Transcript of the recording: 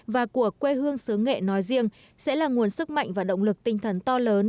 và của quê hương xứ nghệ nói riêng sẽ là nguồn sức mạnh và động lực tinh thần to lớn